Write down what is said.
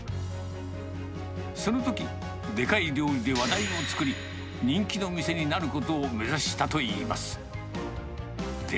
そのとき、デカい料理で話題を作り、人気の店になることを目指したといいます。